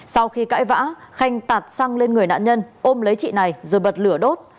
sau khi cãi vã khanh tạt xăng lên người nạn nhân ôm lấy chị này rồi bật lửa đốt